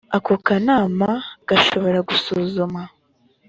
ako kanama gashobora gusuzuma